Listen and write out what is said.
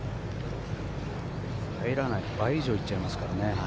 入らないと倍以上いっちゃいますからね。